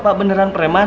bapak beneran preman